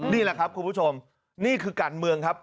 นี่แหละครับคุณผู้ชมนี่คือการเมืองครับ